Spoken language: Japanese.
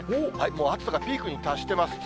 もう暑さがピークに達してます。